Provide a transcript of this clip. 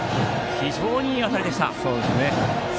非常にいい当たりでした。